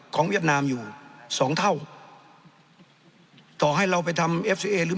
เวียดนามอยู่สองเท่าต่อให้เราไปทำเอฟซีเอหรือ